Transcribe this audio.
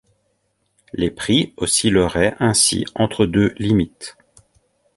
Les prix oscilleraient ainsi entre deux limites.